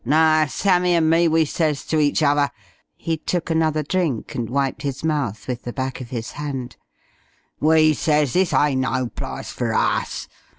No, Sammy an' me we says to each other" he took another drink and wiped his mouth with the back of his hand "we says this ain't no plyce for us.